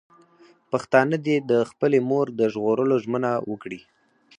پښتانه دې د خپلې مور د ژغورلو ژمنه وکړي.